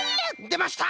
でました！